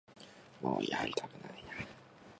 もうやりたくないな